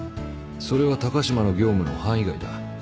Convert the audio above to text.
それは高島の業務の範囲外だ